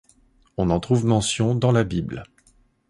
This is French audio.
On en trouve mention dans la Bible.